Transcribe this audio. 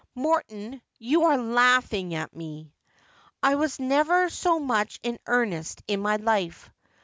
' Morton, you are laughing at me.' ' I was never so much in earnest in my life.